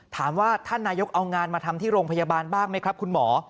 ท่านนายกเอางานมาทำที่โรงพยาบาลบ้างไหมครับคุณหมอ